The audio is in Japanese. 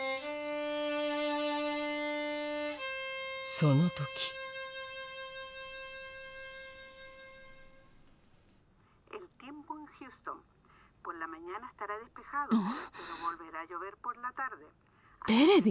その時うん？